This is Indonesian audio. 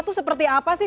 itu seperti apa sih